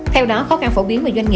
theo đó khó khăn phổ biến